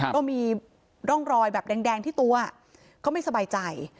ก็มีร่องรอยแบบแดงที่ตัวเขาไม่สบายใจ